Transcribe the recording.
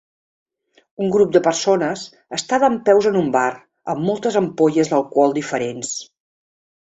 Un grup de persones està dempeus en un bar amb moltes ampolles d'alcohol diferents.